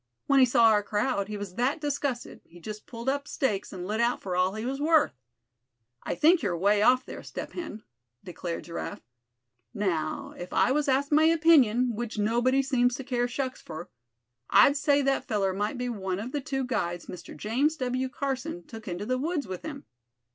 When he saw our crowd, he was that disgusted he just pulled up stakes, and lit out for all he was worth." "I think you're away off there, Step Hen," declared Giraffe. "Now, if I was asked my opinion, which nobody seems to care shucks for, I'd say that feller might be one of the two guides Mr. James W. Carson took into the woods with him.